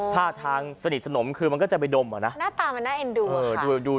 ท่าทางสนิทสนมคือมันก็จะไปดมอ่ะนะหน้าตามันน่าเอ็นดูเออดูดู